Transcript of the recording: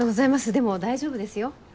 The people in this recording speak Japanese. でも大丈夫ですよ。